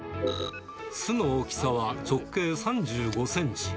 巣の大きさは直径３５センチ。